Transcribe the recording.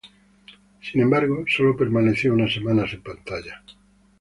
Sin embargo, sólo permaneció unas semanas en pantalla.